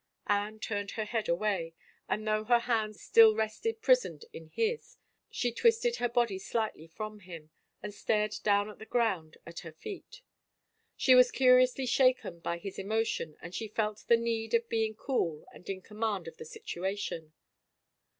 Anne turned her head away, and though her hand still rested prisoned in his, she twisted her body slightly from him and stared down at the ground at her feet. She was curiously shaken by his emotion and she felt thd need of being cool and in command of the situation.